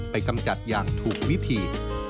กำจัดอย่างถูกวิธี